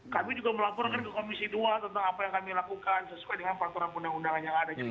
kami juga melaporkan ke komisi dua tentang apa yang kami lakukan sesuai dengan peraturan undang undangan yang ada